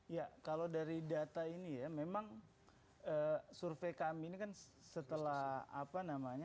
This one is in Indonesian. ya kalau dari data ini ya memang survei kami ini kan setelah apa namanya